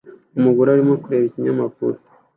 Umugore arimo kureba ikinyamakuru